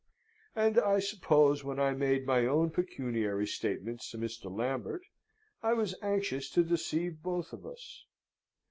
And I suppose when I made my own pecuniary statements to Mr. Lambert, I was anxious to deceive both of us.